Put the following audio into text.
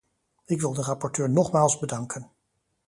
Ik wil de rapporteur nogmaals bedanken.